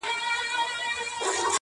شاوخوا ټولي سيمي.